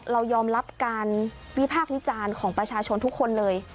เรายอมรับการวิพากษ์วิจารณ์ของประชาชนทุกคนเลย